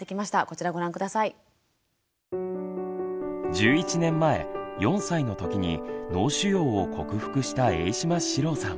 １１年前４歳のときに脳腫瘍を克服した榮島四郎さん。